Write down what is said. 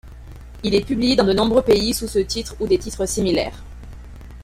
Il est publié dans de nombreux pays sous ce titre ou des titres similaires.